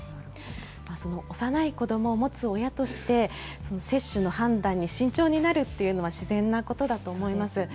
幼い子どもを持つ親として、接種の判断に慎重になるっていうのは自然なことだと思います。